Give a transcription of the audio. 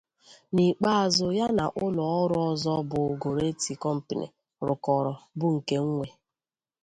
N'ikpeazụ ya na ụlọ ọrụ ọzọ bụ Goretti Company, rụkọrọ bụ nke nwe.